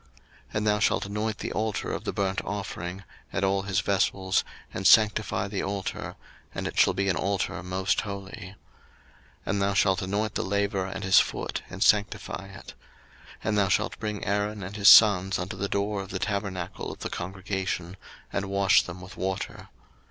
02:040:010 And thou shalt anoint the altar of the burnt offering, and all his vessels, and sanctify the altar: and it shall be an altar most holy. 02:040:011 And thou shalt anoint the laver and his foot, and sanctify it. 02:040:012 And thou shalt bring Aaron and his sons unto the door of the tabernacle of the congregation, and wash them with water.